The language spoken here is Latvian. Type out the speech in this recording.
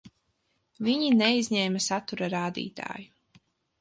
Viņi neizņēma satura rādītāju.